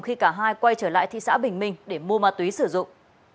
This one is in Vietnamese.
khi cả hai quay trở lại thị xã bình minh để mua ma túy sử dụng